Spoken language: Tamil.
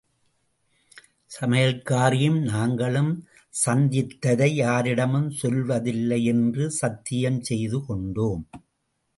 சமையல்காரியும் நாங்களும் சந்தித்ததையாரிடமும் சொல்வதில்லை என்று சத்தியம் செய்து கொண்டோம்.